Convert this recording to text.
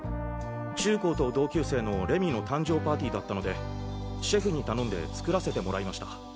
中・高と同級生の礼美の誕生パーティーだったのでシェフに頼んで作らせてもらいました。